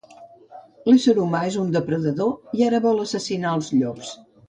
L'ésser humà és un depredador i ara vol assassinar els llops.